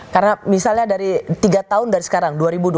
karena misalnya dari tiga tahun dari sekarang